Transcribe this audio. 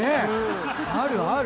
あるある。